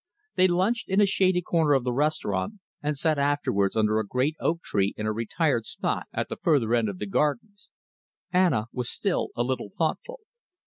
They lunched in a shady corner of the restaurant and sat afterwards under a great oak tree in a retired spot at the further end of the gardens. Anna was still a little thoughtful.